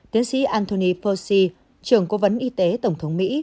tiến sĩ anthony fosi trưởng cố vấn y tế tổng thống mỹ